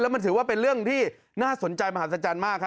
มันถือว่าเป็นเรื่องที่น่าสนใจมหัศจรรย์มาก